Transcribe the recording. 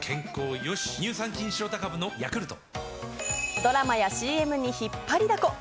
ドラマやＣＭに引っ張りだこ。